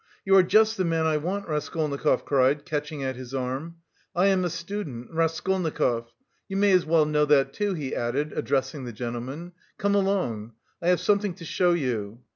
"You are just the man I want," Raskolnikov cried, catching at his arm. "I am a student, Raskolnikov.... You may as well know that too," he added, addressing the gentleman, "come along, I have something to show you."